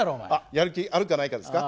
やる気あるかないかですか？